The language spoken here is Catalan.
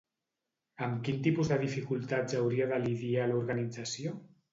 Amb quin tipus de dificultats hauria de lidiar l'organització?